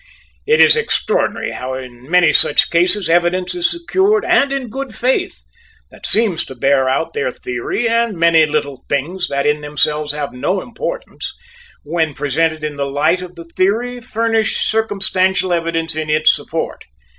It is extraordinary how in many such cases evidence is secured, and in good faith, that seems to bear out their theory and many little things that in themselves have no importance, when presented in the light of the theory furnish circumstantial evidence in its support.